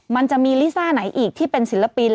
มันจะมีลิซ่าไหนอีกที่เป็นศิลปิน